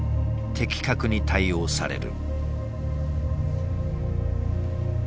的確に対応される。